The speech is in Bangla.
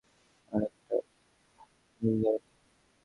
আর এটা মূল কারণ না।